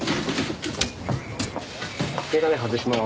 眼鏡外します。